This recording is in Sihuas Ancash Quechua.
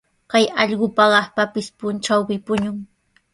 Kay allqu paqaspapis, puntrawpis puñun.